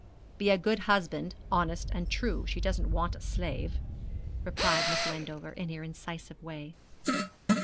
'Be a good husband, honest and true. She doesn't want a slave,' replied Miss Wendover, in her incisive way.